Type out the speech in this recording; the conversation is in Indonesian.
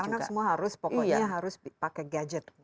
karena semua harus pokoknya harus pakai gadget